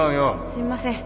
すいません。